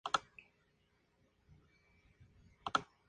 En algunos casos el paciente se cree incapaz de morir.